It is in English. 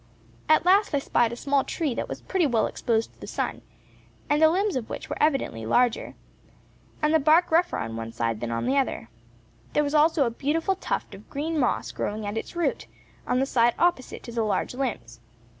At last I spied a small tree, that was pretty well exposed to the sun, and the limbs of which were evidently larger, and the bark rougher on one side than on the other; there was also a beautiful tuft of green moss growing at its root, on the side opposite to the large limbs.